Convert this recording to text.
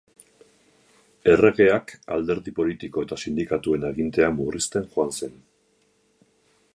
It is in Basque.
Erregeak alderdi politiko eta sindikatuen agintea murrizten joan zen.